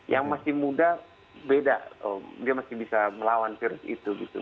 yang masih muda beda dia masih bisa melawan virus itu gitu